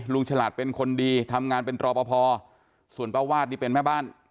ฉลาดเป็นคนดีทำงานเป็นรอปภส่วนป้าวาดนี่เป็นแม่บ้าน